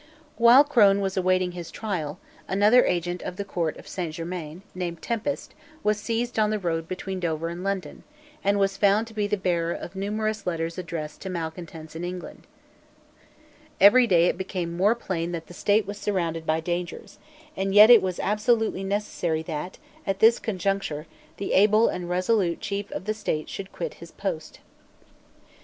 While Crone was awaiting his trial, another agent of the Court of Saint Germains, named Tempest, was seized on the road between Dover and London, and was found to be the bearer of numerous letters addressed to malecontents in England, Every day it became more plain that the State was surrounded by dangers: and yet it was absolutely necessary that, at this conjuncture, the able and resolute Chief of the State should quit his post.